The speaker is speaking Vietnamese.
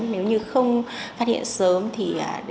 nếu như không phát hiện sớm thì